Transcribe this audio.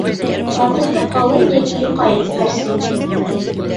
Картуфты ҡалын йәки йоҡа итеп әрсеү